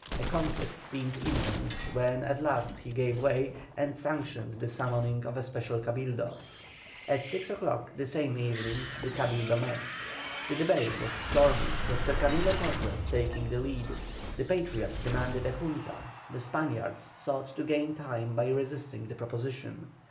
A conflict seemed imminent, when at last he gave way, and sanctioned the summoning of a special Cabildo. At six o'clock the same evening the Cabildo met. The debate was stormy, Dr. Camilo Torres taking the lead. The Patriots demanded a Junta, the Spaniards sought to gain time by resisting the proposition.